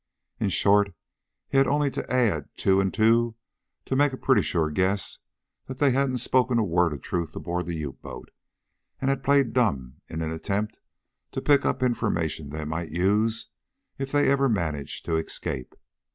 In short, he had only to add two and two to make a pretty sure guess that they hadn't spoken a word of truth aboard the U boat, and had played dumb in an attempt to pick up information they might use if they ever managed to escape.